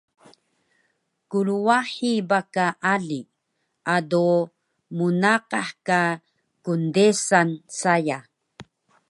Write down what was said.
Krwahi ba ka ali, ado mnaqah ka kndesan saya